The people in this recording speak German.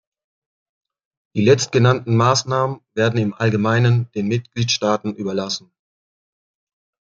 Die letztgenannten Maßnahmen werden im Allgemeinen den Mitgliedstaaten überlassen.